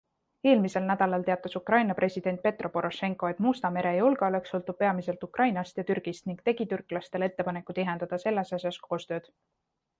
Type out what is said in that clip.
Eelmisel nädalal teatas Ukraina president Petro Porošenko, et Musta mere julgeolek sõltub peamiselt Ukrainast ja Türgist ning tegi türklastele ettepaneku tihendada selles asjas koostööd.